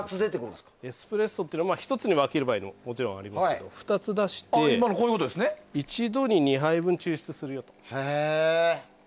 エスプレッソっていうのは１つに分ける場合もありますけど２つ出して一度に２杯分抽出するよと。